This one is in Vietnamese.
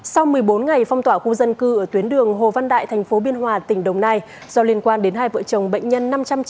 sau một mươi bốn ngày phong tỏa khu dân cư ở tuyến đường hồ văn đại thành phố biên hòa tỉnh đồng nai do liên quan đến hai vợ chồng bệnh nhân